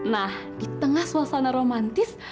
nah di tengah suasana romantis